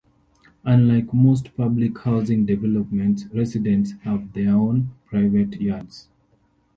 Unlike most public housing developments, residents have their own private yards.